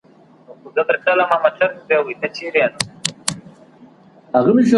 که امریکا ده که انګلستان دی ,